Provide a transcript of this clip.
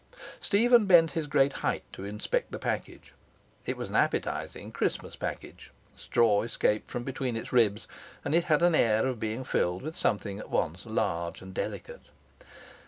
Stephen bent his great height to inspect the package. It was an appetizing Christmas package; straw escaped from between its ribs, and it had an air of being filled with something at once large and delicate.